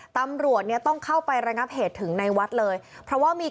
ตำรวจเนี่ยต้องเข้าไประงับเหตุถึงในวัดเลยเพราะว่ามี